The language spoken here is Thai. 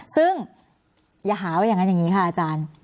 ซึ่งอย่าหาว่าอย่างนั้นอย่างนี้ค่ะอาจารย์